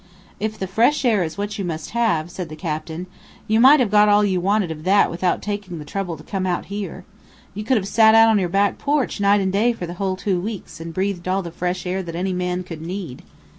"If the fresh air is what you must have," said the captain, "you might have got all you wanted of that without taking the trouble to come out here. You could have sat out on your back porch night and day for the whole two weeks, and breathed all the fresh air that any man could need."